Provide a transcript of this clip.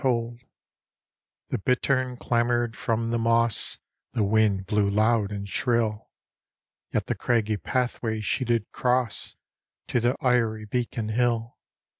The Haunted Hour " The bittein damor'd from the moss, The wind blew loud and shrill; Yet the craggy pathway she did cross To the eiry Beacon Hill.